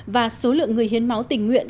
và số lượng người hiến máu tỉnh nguyện